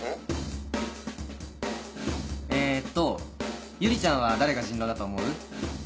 えっと友里ちゃんは誰が人狼だと思う？